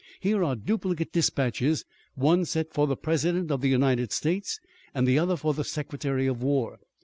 Here are duplicate dispatches, one set for the President of the United States and the other for the Secretary of War.